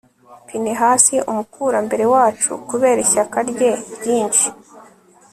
pinehasi, umukurambere wacu, kubera ishyaka rye ryinshi